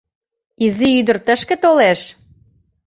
— Изи ӱдыр тышке толеш?